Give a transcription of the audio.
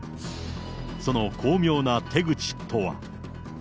その巧妙な手口とは。